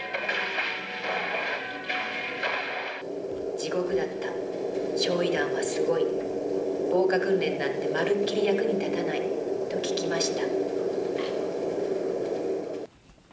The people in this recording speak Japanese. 地獄だった、焼い弾はすごい。防火訓練なんてまるっきり役に立たないと聞きました。